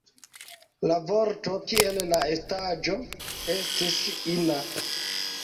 La vorto, kiel la estaĵo, estis ina.